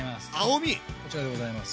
こちらでございます。